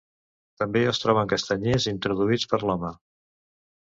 També es troben castanyers introduïts per l'home.